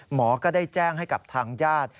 หมอก็ได้แจ้งให้กับทางญาติ